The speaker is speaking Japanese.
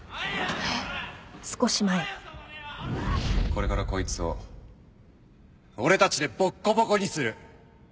これからこいつを俺たちでボッコボコにする